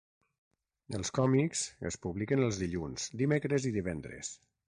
Els còmics es publiquen els dilluns, dimecres i divendres.